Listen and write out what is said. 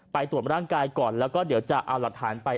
ตรวจร่างกายก่อนแล้วก็เดี๋ยวจะเอาหลักฐานไป